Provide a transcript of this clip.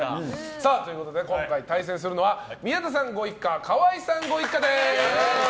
今回、対戦するのは宮田さんご一家河合さんご一家です。